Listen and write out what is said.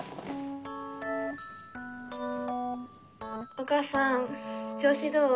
お母さん調子どう？